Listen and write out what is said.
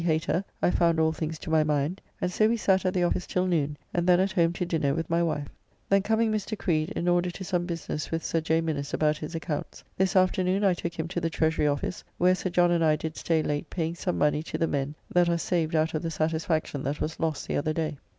Hater I found all things to my mind, and so we sat at the office till noon, and then at home to dinner with my wife. Then coming Mr. Creede in order to some business with Sir J. Minnes about his accounts, this afternoon I took him to the Treasury office, where Sir John and I did stay late paying some money to the men that are saved out of the Satisfaction that was lost the other day.